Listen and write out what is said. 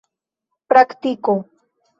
praktiko